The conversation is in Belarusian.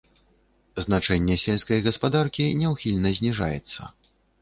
Значэнне сельскай гаспадаркі няўхільна зніжаецца.